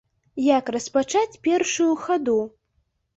Як распачаць першую хаду?